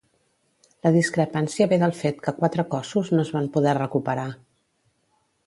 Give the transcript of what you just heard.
La discrepància ve del fet que quatre cossos no es van poder recuperar.